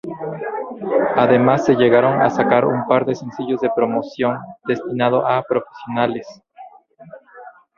Además se llegaron a sacar un par de sencillos de promoción destinado a profesionales.